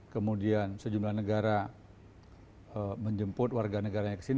kemudian sejumlah negara menjemput warga negaranya ke sini